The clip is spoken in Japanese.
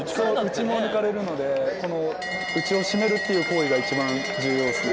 内も抜かれるので内をしめるっていう行為が一番重要ですね。